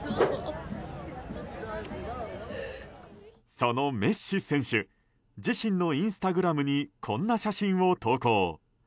そのメッシ選手自身のインスタグラムにこんな写真を投稿。